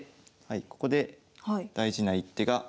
ここで大事な一手があります。